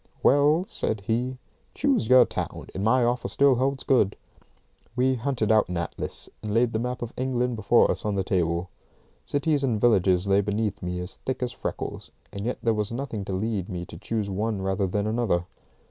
"Well," said he, "choose your town, and my offer still holds good." We hunted out an atlas, and laid the map of England before us on the table. Cities and villages lay beneath me as thick as freckles, and yet there was nothing to lead me to choose one rather than another.